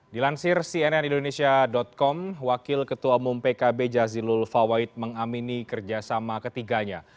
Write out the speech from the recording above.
dilansir cnn indonesia com wakil ketua umum pkb jazilul fawait mengamini kerjasama ketiganya